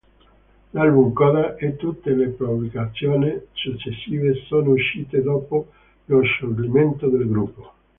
L'album "Coda" e tutte le pubblicazioni successive sono uscite dopo lo scioglimento del gruppo.